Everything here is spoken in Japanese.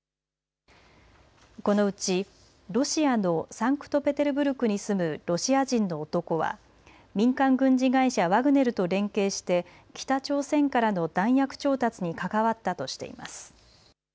このうちロシアのサンクトペテルブルクに住むロシア人の男は民間軍事会社、ワグネルと連携して北朝鮮からの弾薬調達に関わったとしています。